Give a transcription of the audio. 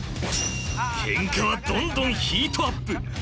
ケンカはどんどんヒートアップ！